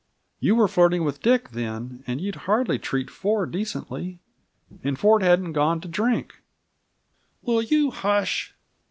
"You were flirting with Dick then, and you'd hardly treat Ford decently. And Ford hadn't gone to drink " "Will you hush?"